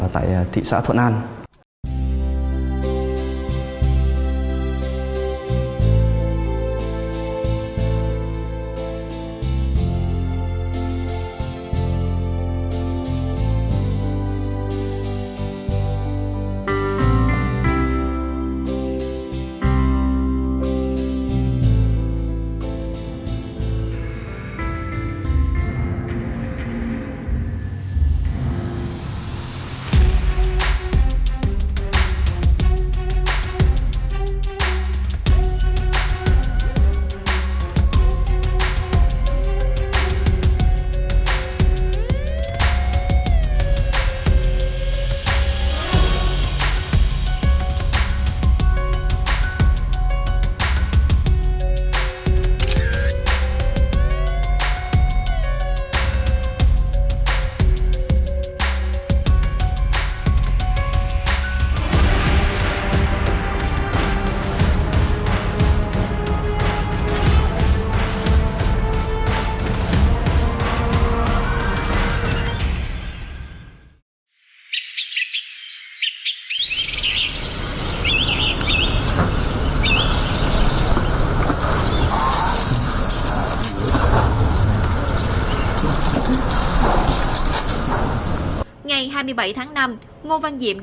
tại thị xã thuận an